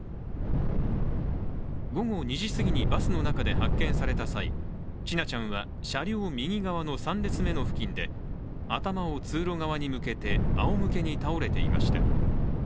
午後２時すぎにバスの中で発見された際千奈ちゃんは、車両右側の３列目の付近で頭を通路側に向けてあおむけに倒れていました。